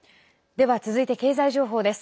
では続いて経済情報です。